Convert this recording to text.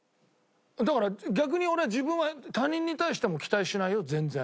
だから逆に俺自分は他人に対しても期待しないよ全然。